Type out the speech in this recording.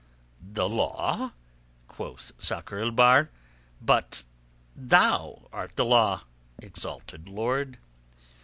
"The law?" quoth Sakr el Bahr. "But thou art the law, exalted lord."